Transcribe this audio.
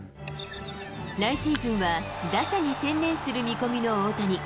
来シーズンは打者に専念する見込みの大谷。